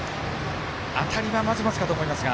当たりは、まずまずかと思いますが。